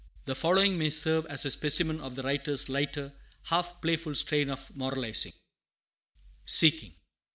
The following may serve as a specimen of the writer's lighter, half playful strain of moralizing: SEEKING.